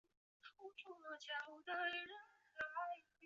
加瑙山。